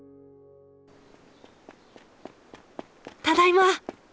ただいま！